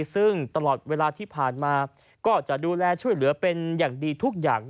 ซึ่งตลอดเวลาที่ผ่านมาก็จะดูแลช่วยเหลือเป็นอย่างดีทุกอย่าง